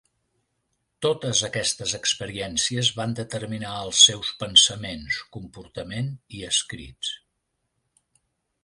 Totes aquestes experiències van determinar els seus pensaments, comportament i escrits.